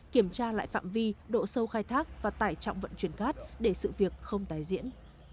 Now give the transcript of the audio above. kiểm tra lại phạm vi độ sâu khai thác và tải trọng vận chuyển cát để sự việc không tái diễn